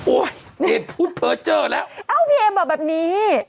โอ๊ยเอ๊ะพูดเผลอเจอแล้วเอ๊ะพี่เอ๊ะบอกแบบนี้